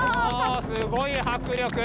すごい迫力！